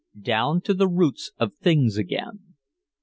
Down to the roots of things again.